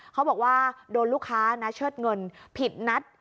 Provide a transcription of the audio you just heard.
เขาบอกว่าโดนลูกค้านะเชิดเงินผิดนัด